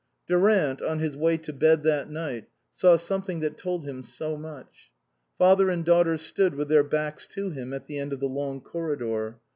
Durant, on his way to bed that night, saw something that told him so much. Father and daughter stood with their backs to him at the end of the long corridor.